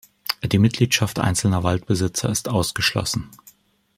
Die Mitgliedschaft einzelner Waldbesitzer ist ausgeschlossen.